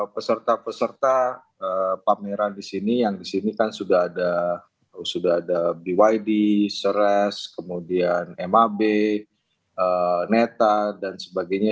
peserta peserta pameran di sini yang di sini kan sudah ada byd seras kemudian mab neta dan sebagainya